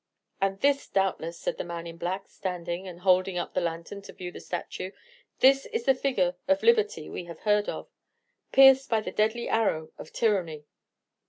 "And this, doubtless," said the man in black, standing, and holding up the lantern to view the statue, "this is the figure of Liberty we have heard of, pierced by the deadly arrow of Tyranny!"